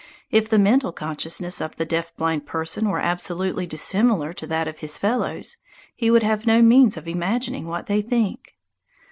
If the mental consciousness of the deaf blind person were absolutely dissimilar to that of his fellows, he would have no means of imagining what they think.